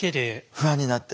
不安になって。